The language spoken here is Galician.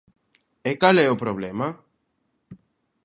¿E cal é o problema?